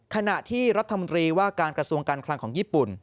ขณะที่รัฐมนตรีว่าการกระทรวงการคลังของญี่ปุ่น